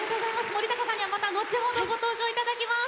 森高さんにはまた後ほどご登場頂きます。